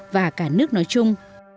và cả nước nói chung